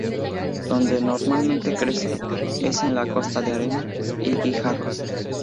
Donde normalmente crece es en la costa de arena y guijarros.